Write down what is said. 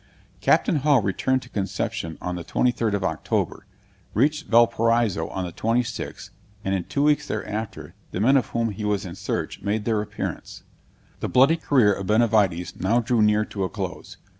Captain Hall returned to Conception on the 23d of October, reached Valparaiso on the 26th, and in two weeks thereafter, the men of whom he was in search, made their appearance. The bloody career of Benavides now drew near to a close.